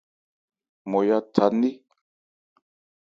Nmɔja 'tha nné.